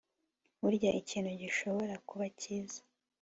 burya ikintu gishobora kuba cyiza